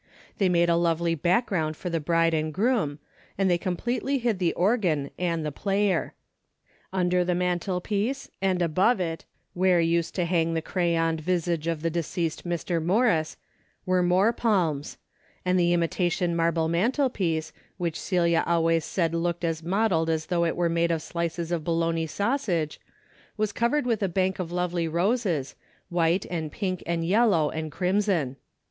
They made a lovely background for the bride and groom, and they completely hid the organ and the player. Under the mantelpiece and above it, where used to hang the crayoned visage of the deceased Mr. Morris, were more palms ; and the imitation marble mantelpiece, which Celia always said looked as mottled as though it were made of slices of Bologna sausage, Avas covered with a bank of lovely roses, white and pink and yellow and crimson.